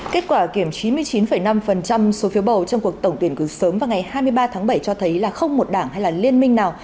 kết quả kiểm chín mươi chín năm số phiếu bầu trong cuộc tổng tuyển cử sớm vào ngày hai mươi ba tháng bảy cho thấy là không một đảng hay liên minh nào